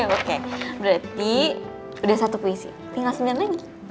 oke berarti sudah satu puisi tinggal sembilan lagi